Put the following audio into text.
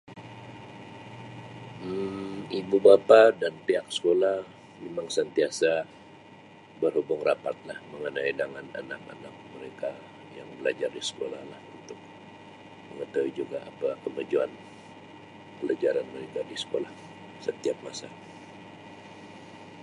Um Um ibu bapa dan pihak sekolah memang sentiasa berhubung rapat lah mengenai dengan anak-anak mereka yang belajar disekolah lah untuk mengetahui juga apa kemajuan pelajaran mereka di sekolah setiap masa.